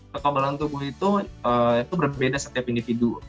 kekebalan tubuh itu berbeda setiap individu